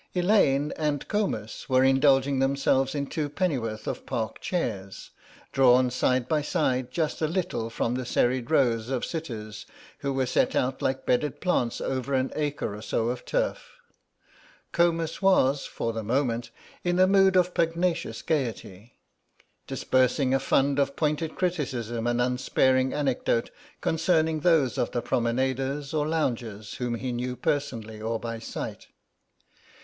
Elaine and Comus were indulging themselves in two pennyworths of Park chair, drawn aside just a little from the serried rows of sitters who were set out like bedded plants over an acre or so of turf. Comus was, for the moment, in a mood of pugnacious gaiety, disbursing a fund of pointed criticism and unsparing anecdote concerning those of the promenaders or loungers whom he knew personally or by sight.